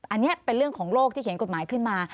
อันนี้เป็นเรื่องของโลกที่เขียนกฎหมายขึ้นมา